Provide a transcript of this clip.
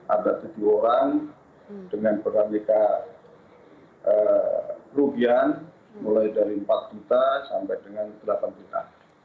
ada tujuh orang dengan beraneka kerugian mulai dari empat juta sampai dengan delapan juta